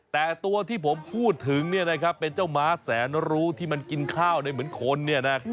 แต่ตัวที่ผมพูดถึงเป็นเจ้าม้าแสนรู้ที่มันกินข้าวได้เหมือนคน